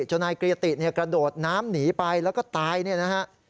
นายเกรียติกระโดดน้ำหนีไปแล้วก็ตายเนี่ยนะฮะ